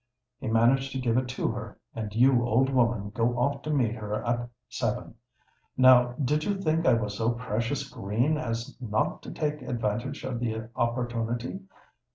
He managed to give it to her; and you, old woman, go off to meet her at seven. Now did you think I was so precious green as not to take advantage of the opportunity?